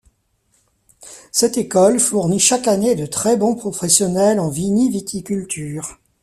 Cette école fournit chaque année de très bons professionnels en vini-viticulture.